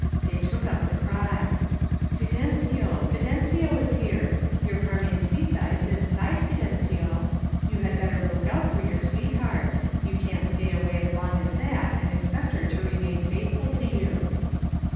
They took up the cry: "Fidencio! Fidencio is here! Your Carmencita is inside, Fidencio. You had better look out for your S96 HAPPY VALLEY sweetheart ! You can't stay away as long as that and expect her to remain faithful to you!"